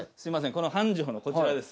この半畳のこちらです。